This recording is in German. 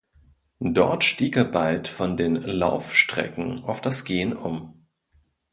Dort stieg er bald von den Laufstrecken auf das Gehen um.